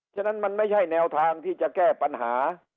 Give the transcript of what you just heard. ฉะนั้นมันไม่ใช่แนวทางที่จะแก้ปัญหา